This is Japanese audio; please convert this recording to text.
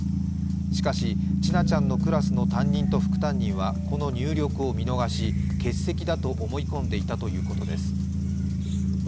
しかし、千奈ちゃんのクラスの担任と副担任はこの入力を見逃し欠席と思い込んでいたということです。